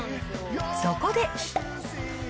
そこで。